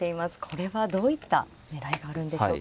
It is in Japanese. これはどういった狙いがあるんでしょうか。